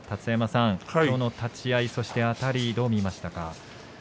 きょうの立ち合いそしてあたり、どう見ましたか？